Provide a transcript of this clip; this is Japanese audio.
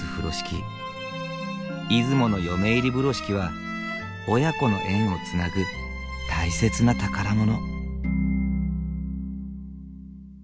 出雲の嫁入り風呂敷は親子の縁をつなぐ大切な宝物。